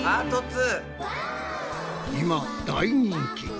今大人気。